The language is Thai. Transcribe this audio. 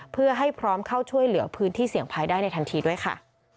เพื่อให้พร้อมเข้าช่วยเหลือพื้นที่เสี่ยงภัยได้ในทันทีด้วยค่ะ